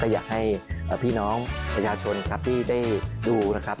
อยากให้พี่น้องมญชาชนที่ได้ดูนะครับ